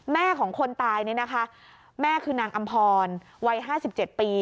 แม่ของคนตายเนี่ยนะคะแม่คือนางอำพรวัย๕๗ปี